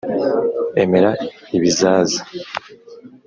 emera ibizaza